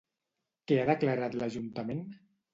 Què ha declarat l'ajuntament?